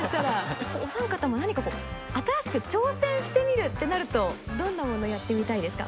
お３方も何か新しく挑戦してみるってなるとどんなものやってみたいですか？